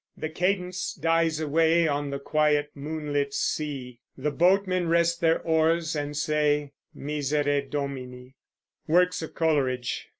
the cadence dies away On the quiet moon lit sea; The boatmen rest their oars and say, Miserere Domini! WORKS OF COLERIDGE.